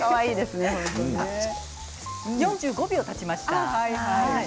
４５秒たちました。